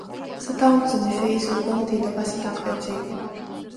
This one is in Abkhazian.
Саҭаумҵан Ефе, исызгәамҭеит, абас аҭак ҟаиҵеит.